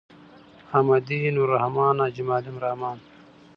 احمدی.نوالرحمن.حاجی معلم الرحمن